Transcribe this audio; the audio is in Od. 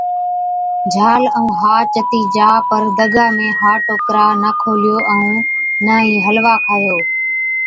جھال ائُون ها جتِي جا۔ پَر دگا ۾ ها ٽوڪرا نہ کوليو، ائُون نہ ئِي حلوا کائِيو۔